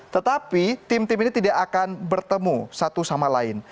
tetapi tim tim ini tidak akan bertemu satu sama lain